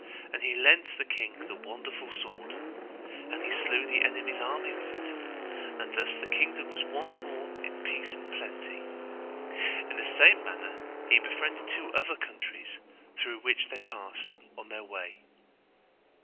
And he lent the king the wonderful sword, and he slew the enemy's army with it; and thus the kingdom was once more in peace and plenty. In the same manner he befriended two other countries through which they passed on their way.